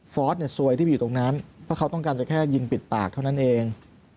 อสเนี่ยซวยที่ไปอยู่ตรงนั้นเพราะเขาต้องการจะแค่ยิงปิดปากเท่านั้นเอง